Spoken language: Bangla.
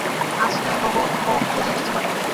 আজ, ভগতজি এসেছিল বাড়িতে।